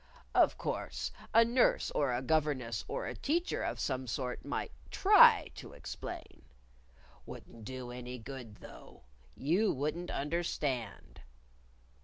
Of course a nurse or a governess or a teacher of some sort might try to explain. Wouldn't do any good, though. You wouldn't understand."